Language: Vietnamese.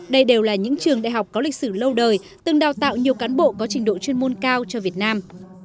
đây đều là những trường đại học có lịch sử lâu đời từng đào tạo nhiều cán bộ có trình độ chuyên môn cao cho việt nam